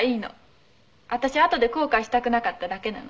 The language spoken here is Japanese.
「私あとで後悔したくなかっただけなの」